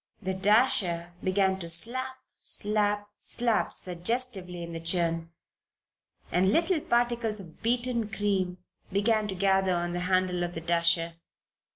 The dasher began to slap, slap, slap suggestively in the churn and little particles of beaten cream began to gather on the handle of the dasher.